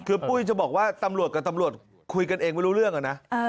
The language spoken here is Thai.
คือปุ้ยจะบอกว่าตำรวจกับตำรวจคุยกันเองไม่รู้เรื่องอะนะ